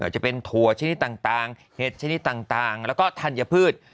จะเป็นถั่วชนิดต่างเห็ดชนิดต่างแล้วก็ธัญพืช